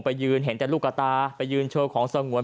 ยืนเห็นแต่ลูกกระตาไปยืนโชว์ของสงวน